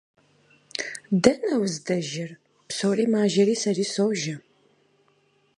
– Дэнэ уздэжэр? – Псори мажэри сэри сожэ.